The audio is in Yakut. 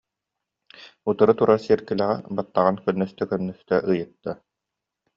утары турар сиэркилэҕэ баттаҕын көннөстө-көннөстө ыйытта